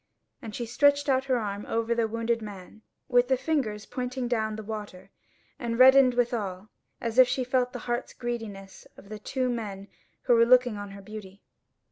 And she stretched out her arm over the wounded man, with the fingers pointing down the water, and reddened withal, as if she felt the hearts' greediness of the two men who were looking on her beauty.